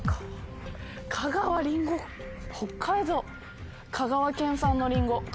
北海道香川県産のりんご